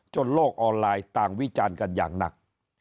โลกออนไลน์ต่างวิจารณ์กันอย่างหนัก